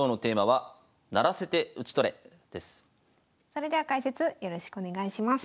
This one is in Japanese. それでは解説よろしくお願いします。